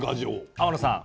天野さん